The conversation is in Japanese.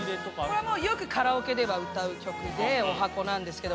これはもうよくカラオケでは歌う曲でおはこなんですけど